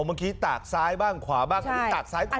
โอ้บางทีตากซ้ายบ้างขวาบ้างอันนี้ตากซ้ายขวาเลย